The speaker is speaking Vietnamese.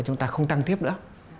và chúng ta không tăng tiếp nữa